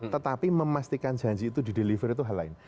tetapi memastikan janji itu dideliver itu hal lain